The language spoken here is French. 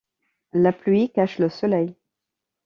le pluie cache le soleil